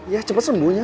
ya cepat sembuh ya